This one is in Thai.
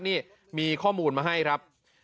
นี่มีข้อมูลมาให้ครับ